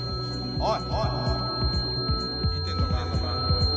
おい！